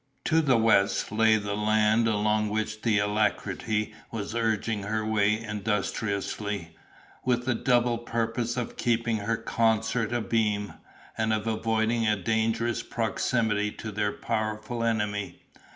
To the west lay the land, along which the Alacrity was urging her way industriously, with the double purpose of keeping her consort abeam, and of avoiding a dangerous proximity to their powerful enemy.